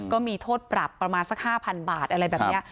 ก็มีโทษปรับประมาณสัก๕๐๐๐บาทอะไรแบบนี้